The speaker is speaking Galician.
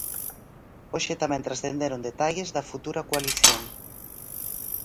Hoxe tamén transcenderon detalles da futura coalición.